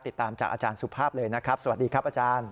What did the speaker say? ติดตามจากอาจารย์สุภาพเลยนะครับสวัสดีครับอาจารย์